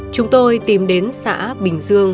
chúng tôi tìm đến xã bình dương